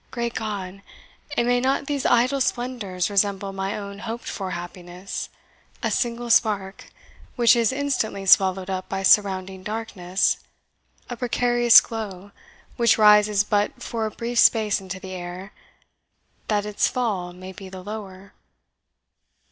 Great God! and may not these idle splendours resemble my own hoped for happiness a single spark, which is instantly swallowed up by surrounding darkness a precarious glow, which rises but for a brief space into the air, that its fall may be the lower?